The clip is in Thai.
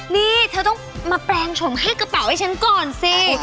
นี่เธอต้องมาแปลงฉมให้กระเป๋าให้ฉันก่อนสิ